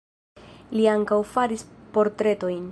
Li ankaŭ faris portretojn.